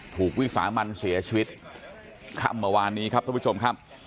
ถูกวิสามันเสียชีวิตค่ำเมื่อวานนี้ครับท่านผู้ชมครับ